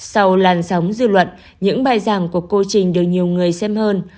sau làn sóng dư luận những bài giảng của cô trình được nhiều người xem hơn